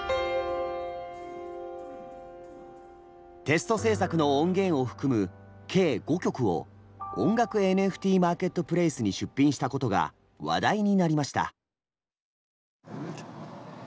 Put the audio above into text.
テスト制作の音源を含む計５曲を音楽ＮＦＴマーケットプレイスに出品したことが話題になりました。